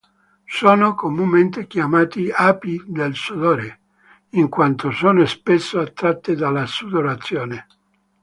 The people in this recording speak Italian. Sono comunemente chiamate "api del sudore", in quanto sono spesso attratte dalla sudorazione.